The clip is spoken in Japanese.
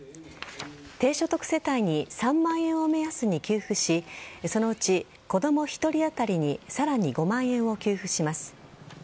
低所得世帯に３万円を目安に給付しそのうち子供１人あたりにさらに５万円を給付します。